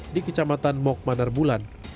di kecamatan mok manar bulan